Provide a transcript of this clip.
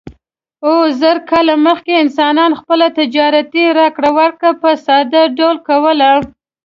اووه زره کاله مخکې انسانانو خپل تجارتي راکړه ورکړه په ساده ډول کوله.